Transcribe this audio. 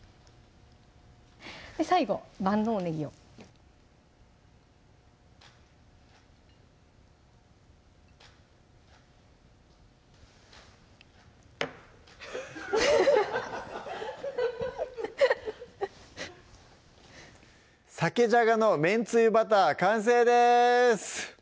最後万能ねぎを「鮭じゃがのめんつゆバター」完成です